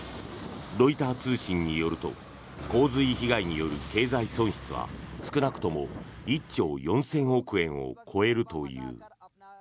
ロイター通信によると洪水被害による経済損失は少なくとも１兆４０００億円を超えるという。